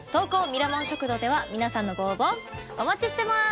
ミラモン食堂では皆さんのご応募お待ちしてます。